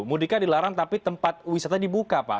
mudik kan dilarang tapi tempat wisata dibuka pak